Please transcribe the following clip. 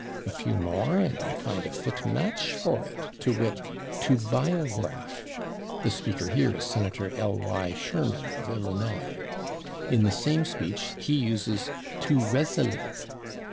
A few more, and I find a fit match for it, to wit, /to biograph/. The speaker here is Senator L. Y. Sherman, of Illinois. In the same speech he uses /to resolute